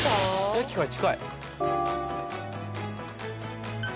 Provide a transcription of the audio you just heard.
駅から近い！